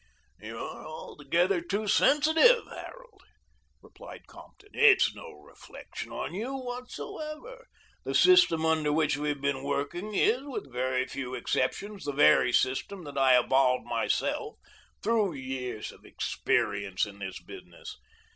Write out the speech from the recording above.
"You're altogether too sensitive, Harold," replied Compton. "It is no reflection on you whatsoever. The system under which we have been working is, with very few exceptions, the very system that I evolved myself through years of experience in this business.